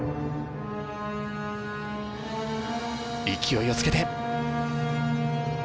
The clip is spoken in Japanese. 勢いをつけて。